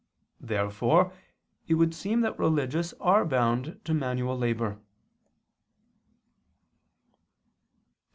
Therefore it would seem that religious are bound to manual labor. Obj.